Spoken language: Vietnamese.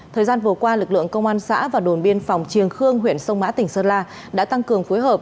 thời gian vừa qua lực lượng công an xã và đồn biên phòng triềng khương huyện sông mã tỉnh sơn la đã tăng cường phối hợp